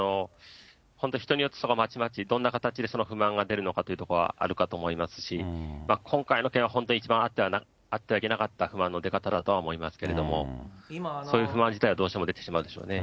本当、人によってそこはまちまち、どんな形でその不満が出るのかというところはあるかと思いますし、今回の件は本当あってはならない出方だとは思いますけれども、そういう不満自体はどうしても出てしまうでしょうね。